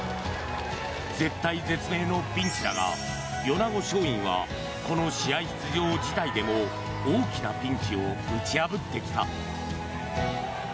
絶体絶命のピンチだが米子松蔭はこの試合出場自体でも大きなピンチを打ち破ってきた。